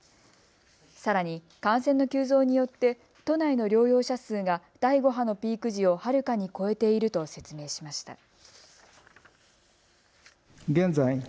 さらに感染の急増によって都内の療養者数が第５波のピーク時をはるかに超えていると説明しました。